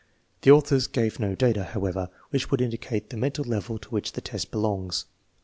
1 The authors gave no data, however, which would indicate the mental level to which the test belongs. Dr.